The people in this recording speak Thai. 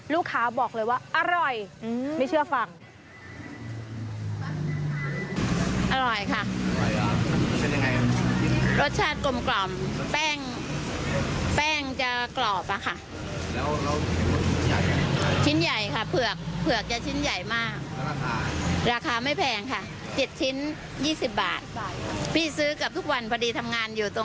ลูกค้าบอกเลยว่าอร่อยไม่เชื่อฟัง